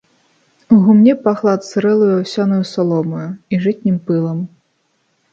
У гумне пахла адсырэлаю аўсянаю саломаю і жытнім пылам.